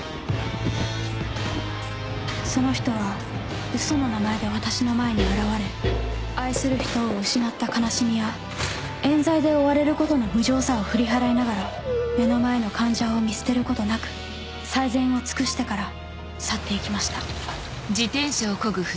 その人はウソの名前で私の前に現れ愛する人を失った悲しみやえん罪で追われることの無情さを振り払いながら目の前の患者を見捨てることなく最善を尽くしてから去って行きました